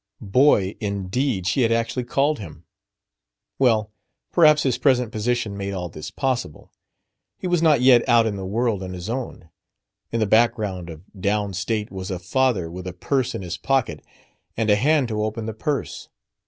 "Boy" indeed she had actually called him: well, perhaps his present position made all this possible. He was not yet out in the world on his own. In the background of "down state" was a father with a purse in his pocket and a hand to open the purse.